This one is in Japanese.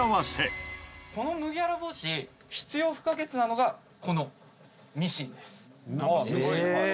この麦わら帽子必要不可欠なのがこのミシンです。え！